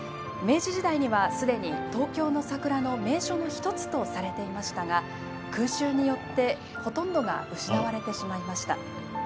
明治時代には、すでに東京の桜の名所の一つとされていましたが空襲によってほとんどが失われてしまいました。